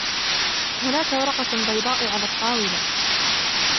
هناك ورقة بيضاء على الطاولة.